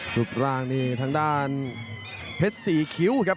รูปร่างนี่ทางด้านเพชรสี่คิ้วครับ